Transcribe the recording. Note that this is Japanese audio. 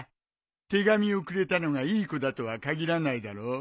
手紙をくれたのがいい子だとは限らないだろう？